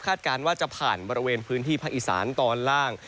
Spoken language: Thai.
การว่าจะผ่านบริเวณพื้นที่ภาคอีสานตอนล่าง